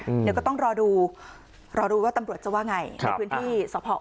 เดี๋ยวก็ต้องรอดูรอดูว่าตำรวจจะว่าไงในพื้นที่สพ